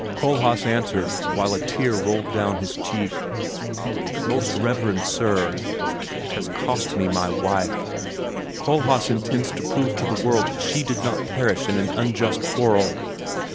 Kohlhaas answered, while a tear rolled down his cheek, "Most reverend Sir! It has cost me my wife; Kohlhaas intends to prove to the world that she did not perish in an unjust quarrel.